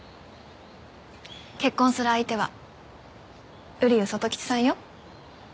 結婚する相手は瓜生外吉さんよ。